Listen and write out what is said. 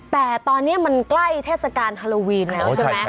แต่ตอนนี้มันใกล้เทศกาลฮาโลวีนไหม